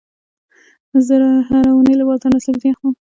زه هره اونۍ له بازار نه سبزي اخلم.